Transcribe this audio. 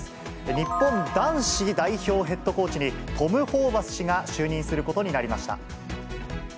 日本男子代表ヘッドコーチに、トム・ホーバス氏が就任することになりました。